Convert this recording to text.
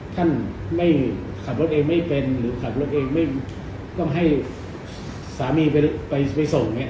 ท่านไม่ขับรถเองไม่เป็นหรือขับรถเองไม่ต้องให้สามีไปส่งเนี่ย